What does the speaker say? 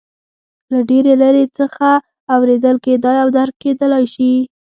له ډېرې لرې څخه اورېدل کېدای او درک کېدلای شي.